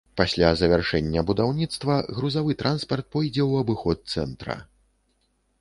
Пасля завяршэння будаўніцтва грузавы транспарт пойдзе ў абыход цэнтра.